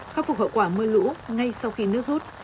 khắc phục hậu quả mưa lũ ngay sau khi nước rút